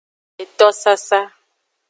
Etosasa.